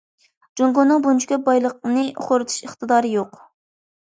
جۇڭگونىڭ بۇنچە كۆپ بايلىقنى خورىتىش ئىقتىدارى يوق.